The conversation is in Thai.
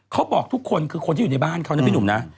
เขาบอกทุกคนคือคนที่อยู่ในบ้านเขานะพี่หนุ่มนะ